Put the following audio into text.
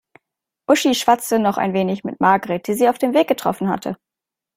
Uschi schwatzte noch ein wenig mit Margret, die sie auf dem Weg getroffen hatte.